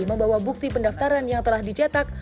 membawa bukti pendaftaran yang telah dicetak